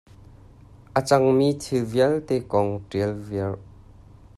A cang mi thil vialte kong ṭial viar.